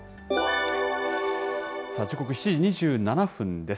時刻７時２７分です。